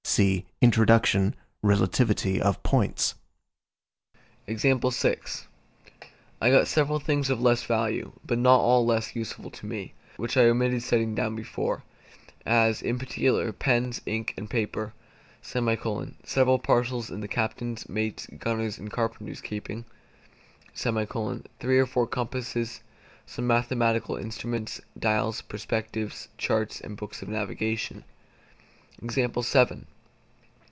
(See Introduction: Relativity of Points.) I got several things of less value, but not all less useful to me, which I omitted setting down before: as, in particular, pens, ink, and paper; several parcels in the captain's, mate's, gunner's, and carpenter's keeping; three or four compasses, some mathematical instruments, dials, perspectives, charts, and books of navigation.